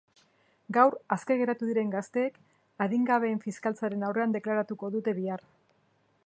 Gaur aske geratu diren gazteek adingabeen fiskaltzaren aurrean deklaratuko dute bihar.